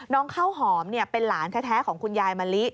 ข้าวหอมเป็นหลานแท้ของคุณยายมะลิ